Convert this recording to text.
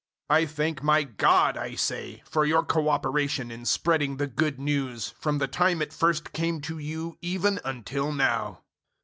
001:005 I thank my God, I say, for your cooperation in spreading the Good News, from the time it first came to you even until now.